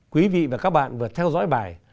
quý vị và các bạn vừa theo dõi bài